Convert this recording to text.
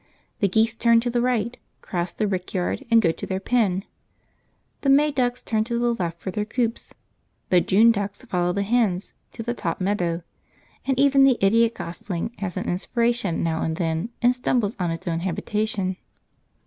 The geese turn to the right, cross the rickyard, and go to their pen; the May ducks turn to the left for their coops, the June ducks follow the hens to the top meadow, and even the idiot gosling has an inspiration now and then and stumbles on his own habitation.